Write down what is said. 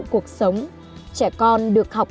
cuộc sống trẻ con được học